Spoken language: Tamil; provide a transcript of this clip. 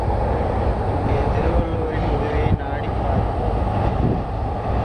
இங்கே திருவள்ளுவரின் உதவியை நாடிப்பார்ப்போம்.